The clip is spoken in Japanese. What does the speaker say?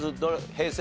平成？